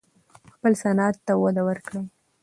خپل صنعت ته وده ورکړئ.